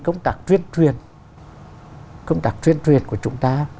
công tác chuyên truyền công tác chuyên truyền của chúng ta